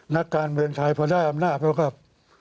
นักการเมืองถ้าถ้าถ้าถ้าได้อำนาจก็กับ